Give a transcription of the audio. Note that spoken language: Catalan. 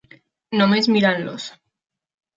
Només mirant-los.